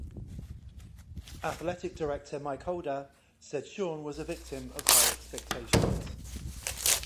Athletic Director Mike Holder said Sean was a victim of high expectations.